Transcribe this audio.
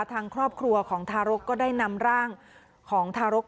ทางครอบครัวของทารกก็ได้นำร่างของทารก